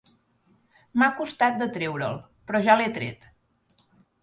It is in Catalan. M'ha costat de treure-l, peró ja l'he tret